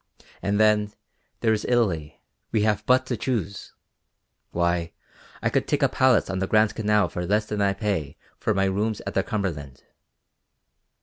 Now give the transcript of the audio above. And then, there is Italy; we have but to choose. Why, I could take a palace on the Grand Canal for less than I pay for my rooms at the Cumberland.